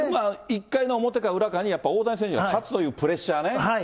１回の表か裏かに、やっぱり大谷選手が立つというプレッシャーね。